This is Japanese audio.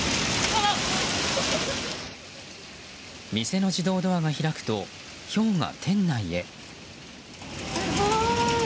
店の自動ドアが開くとひょうが店内へ。